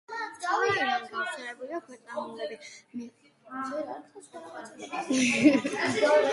ცხოველებიდან გავრცელებულია ქვეწარმავლები, მღრღნელები, ტბებზე მრავალი ფრინველი ზამთრობს.